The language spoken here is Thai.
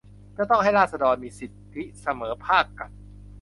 จะต้องให้ราษฎรมีสิทธิเสมอภาคกัน